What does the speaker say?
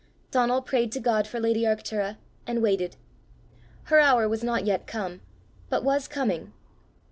Donal prayed to God for lady Arctura, and waited. Her hour was not yet come, but was coming!